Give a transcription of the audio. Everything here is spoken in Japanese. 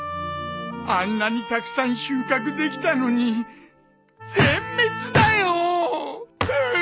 あんなにたくさん収穫できたのに全滅だよー！